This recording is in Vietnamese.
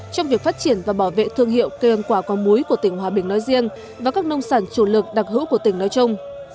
trong việc phát triển và bảo vệ thương hiệu cây ăn quả có múi của tỉnh hòa bình nói riêng và các nông sản chủ lực đặc hữu của tỉnh nói chung